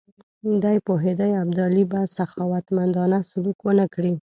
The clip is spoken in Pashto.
دی پوهېدی ابدالي به سخاوتمندانه سلوک ونه کړي.